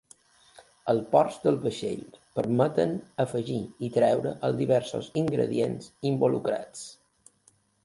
Els ports del vaixell permeten afegir i treure els diversos ingredients involucrats.